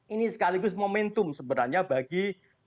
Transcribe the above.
ini sekaligus momentum sebenarnya bagi